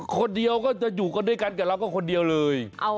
คนเดียวก็จะอยู่กันด้วยกันกับเราก็คนเดียวเลย